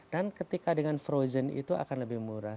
dan ketika dengan frozen itu akan lebih murah